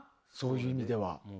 そういう意味では。